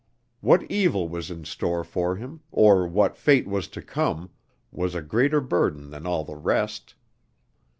What evil was in store for him, or what fate was to come, was a greater burden than all the rest.